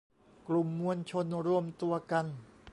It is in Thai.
กลุ่มมวลชนรวมตัวกัน